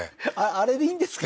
あれでいいんですか？